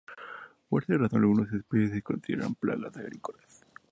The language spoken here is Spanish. Por esta razón, algunas especies se consideran plagas agrícolas.